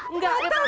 nggak ada kepala